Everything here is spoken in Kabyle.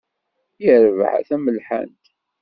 Yerbeḥ a tamelḥant.